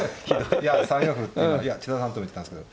いや３四歩打っていや千田さんとも言ってたんですけど。